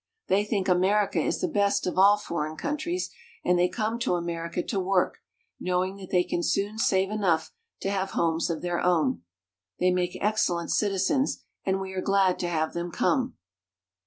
They think America is the best of all foreign countries, and they come to America to work, knowing that they can soon save enough to have homes of their own. They make excellent citi zens, and we are glad to have them come.